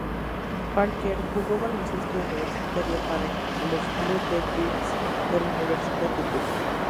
Parker jugó baloncesto universitario para los Blue Devils de la Universidad de Duke.